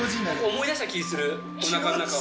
思い出した気いする、おなかの中を。